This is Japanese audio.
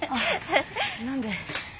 何で。